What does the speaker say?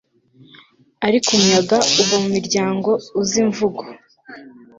Ariko umuyaga uva mumiryango uzi imvugo